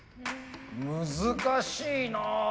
難しいな。